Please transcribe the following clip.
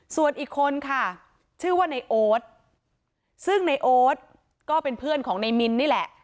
ส่วนอีกคนค่ะชื่อว่าในโอ๊ตซึ่งในโอ๊ตก็เป็นเพื่อนของในมินนี่แหละ